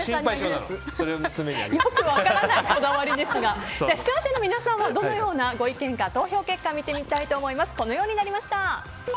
よく分からないこだわりですが視聴者の皆さんはどのようなご意見か投票結果見てみたいと思います。